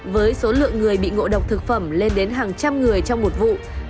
với số lượng người bị ngộ độc thực phẩm lên đến hàng trăm người trong một vụ